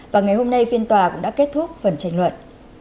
và ngày hôm nay phiên tòa cũng đã kết thúc phần tranh luận